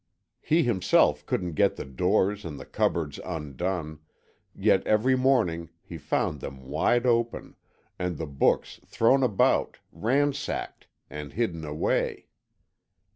He himself couldn't get the doors and the cupboards undone, yet every morning he found them wide open, and the books thrown about, ransacked, and hidden away.